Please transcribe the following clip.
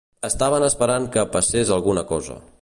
Estaven esperant que "passés alguna cosa".